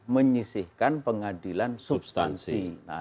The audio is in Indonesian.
menyisihkan pengadilan substansi